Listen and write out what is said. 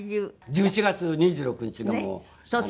１１月２６日にはもう。